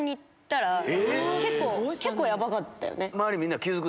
結構ヤバかったよね。